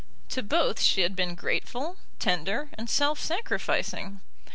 To both she had been grateful, tender, and self sacrificing.